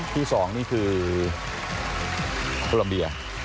ที่๒นี่คือโคลัมเบีย